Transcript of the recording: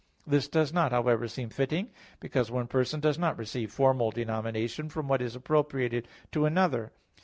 This does not, however, seem fitting; because one person does not receive formal denomination from what is appropriated to another.